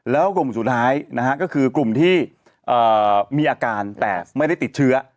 แล้วกลุ่มสุดท้ายนะฮะก็คือกลุ่มที่มีอาการแต่ไม่ได้ติดเชื้อ